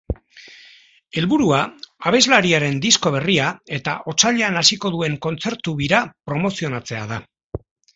Helburua, abeslariaren disko berria eta otsailean hasiko duen kontzertu bira promozionatzea da.